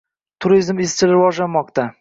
Turizm izchil rivojlanmoqda